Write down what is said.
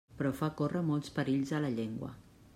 Però fa córrer molts perills a la llengua.